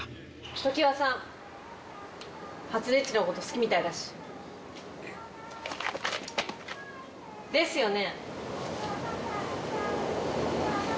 常葉さんはつねっちのこと好きみたいだし。ですよね？